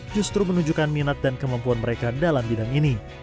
justru menunjukkan minat dan kemampuan mereka dalam bidang ini